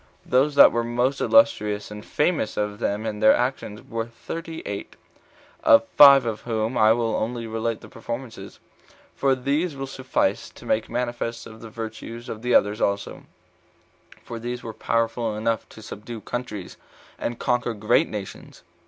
Those that were most illustrious and famous of them for their actions were thirty eight; of five of whom I will only relate the performances, for these will suffice to make manifest the virtues of the others also; for these were powerful enough to subdue countries, and conquer great nations.